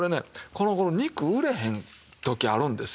この頃肉売れへん時あるんですよ。